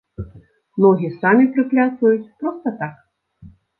Ногі самі прыплясваюць, проста так.